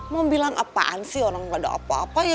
mau bilang apaan sih orang gak ada apa apa ya